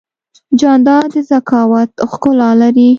جانداد د ذکاوت ښکلا لري.